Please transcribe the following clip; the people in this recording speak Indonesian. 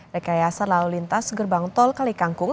rekayasa lalu lintas gerbang tol kalikangkung